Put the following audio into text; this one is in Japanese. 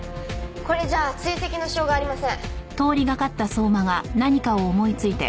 これじゃあ追跡のしようがありません。